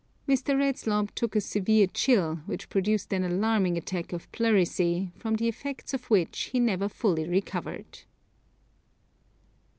Mr. Redslob took a severe chill, which produced an alarming attack of pleurisy, from the effects of which he never fully recovered.